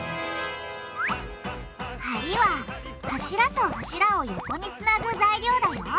「梁」は柱と柱を横につなぐ材料だよ。